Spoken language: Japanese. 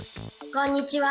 こんにちは。